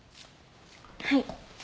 はい。